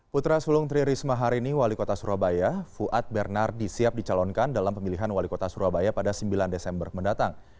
putra sulung tri risma hari ini wali kota surabaya fuad bernardi siap dicalonkan dalam pemilihan wali kota surabaya pada sembilan desember mendatang